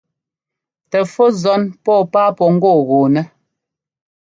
Tɛ fú zɔ́n pɔ́ɔ páa pɔ́ ŋ́gɔ́ɔgɔ́ɔnɛ́.